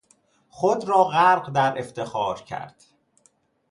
خود را غرق در افتخار کرد.